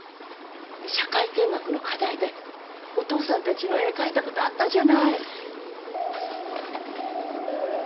社会見学の課題でお父さんたちの絵描いたことあったじゃない。